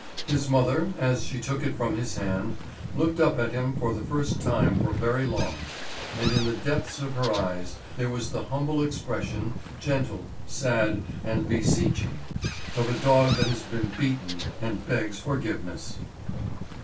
His mother, as she took it from his hand, looked up at him for the first time for very long, and in the depths of her eyes there was the humble expression, gentle, sad, and beseeching, of a dog that has been beaten and begs forgiveness.